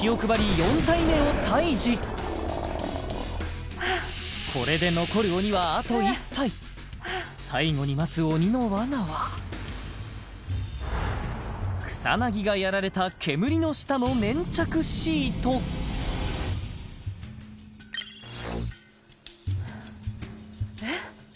４体目をタイジこれで残る鬼はあと１体最後に待つ鬼の罠は草薙がやられた煙の下の粘着シートえっ？